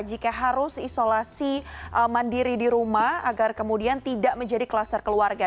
jika harus isolasi mandiri di rumah agar kemudian tidak menjadi kluster keluarga